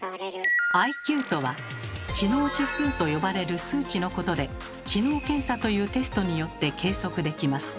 ＩＱとは「知能指数」と呼ばれる数値のことで知能検査というテストによって計測できます。